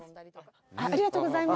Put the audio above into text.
ありがとうございます。